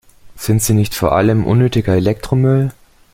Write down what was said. Sind sie nicht vor allem unnötiger Elektromüll?